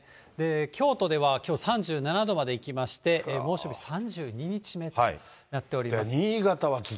京都ではきょう、３７度までいきまして、猛暑日３２日目となっております。